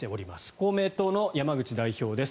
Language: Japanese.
公明党の山口代表です。